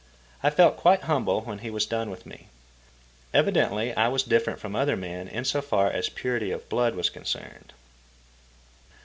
I felt quite humble when he was done with me. Evidently I was different from other men in so far as purity of blood was concerned.